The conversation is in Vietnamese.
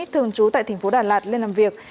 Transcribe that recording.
thường trú tại tp đà lạt lên làm việc